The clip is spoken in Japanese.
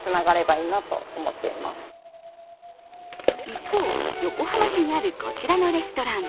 一方、横浜市にあるこちらのレストラン。